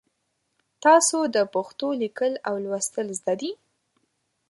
تاسو د پښتو لیکل او لوستل زده دي؟